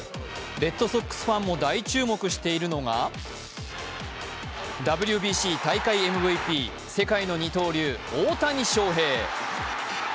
レッドソックスファンも大注目しているのが、ＷＢＣ大会ＭＶＰ、世界の二刀流・大谷翔平。